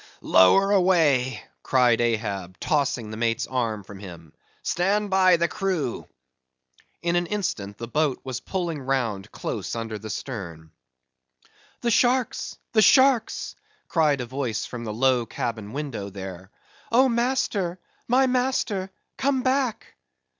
"Lower away!"—cried Ahab, tossing the mate's arm from him. "Stand by the crew!" In an instant the boat was pulling round close under the stern. "The sharks! the sharks!" cried a voice from the low cabin window there; "O master, my master, come back!"